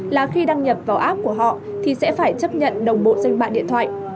là khi đăng nhập vào app của họ thì sẽ phải chấp nhận đồng bộ danh bạc điện thoại